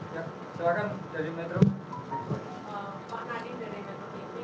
pak nadiem dari metro tv saya ingin mengertikan jadi kan ini peringatan tsunami